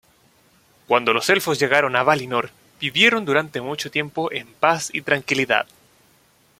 Cuando los elfos llegaron a Valinor, vivieron durante mucho tiempo en paz y tranquilidad.